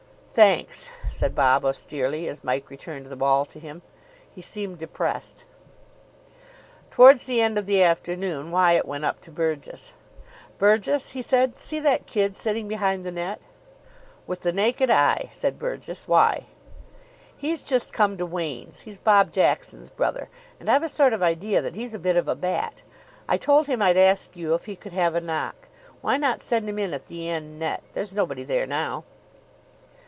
"Thanks," said Bob austerely, as Mike returned the ball to him. He seemed depressed. Towards the end of the afternoon, Wyatt went up to Burgess. "Burgess," he said, "see that kid sitting behind the net?" "With the naked eye," said Burgess. "Why?" "He's just come to Wain's. He's Bob Jackson's brother, and I've a sort of idea that he's a bit of a bat. I told him I'd ask you if he could have a knock. Why not send him in at the end net? There's nobody there now."